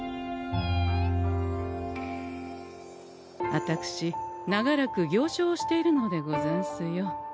あたくし長らく行商をしているのでござんすよ。